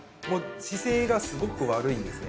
姿勢がすごく悪いんですね。